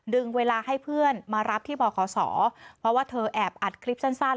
เวลาให้เพื่อนมารับที่บขเพราะว่าเธอแอบอัดคลิปสั้น